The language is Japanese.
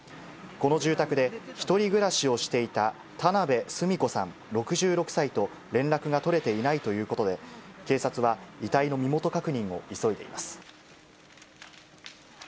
この住宅で１人暮らしをしていた田辺寿美子さん６６歳と、連絡が取れていないということで、警察は、遺体の身元確認を急いでいます。